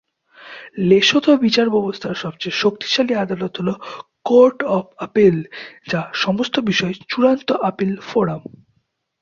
Lesotho বিচার ব্যবস্থার সবচেয়ে শক্তিশালী আদালত হ'ল কোর্ট অফ আপিল, যা সমস্ত বিষয়ে চূড়ান্ত আপিল ফোরাম।